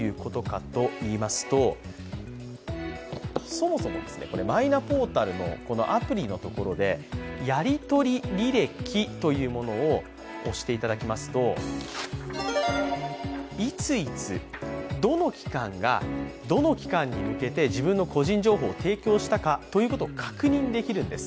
そもそもマイナポータルのアプリのところで、やりとり履歴というものを押していただきますといついつ、どの機関がどの機関に向けて自分の個人情報を提供したかということを確認できるんです。